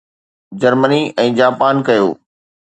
Germany ۽ Japan ڪيو